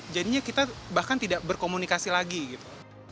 jadinya kita bahkan tidak berkomunikasi lagi gitu